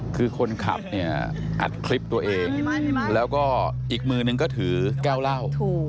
คือคนขับเนี่ยอัดคลิปตัวเองแล้วก็อีกมือนึงก็ถือแก้วเหล้า